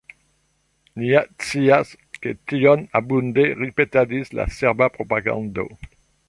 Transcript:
Ni ja scias, ke tion abunde ripetadis la serba propagando.